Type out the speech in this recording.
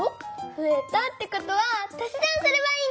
ふえたってことはたし算すればいいんだよ！